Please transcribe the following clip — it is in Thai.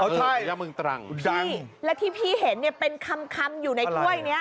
ใช่นะเมืองตรังดังและที่พี่เห็นเนี่ยเป็นคำคำอยู่ในถ้วยเนี้ย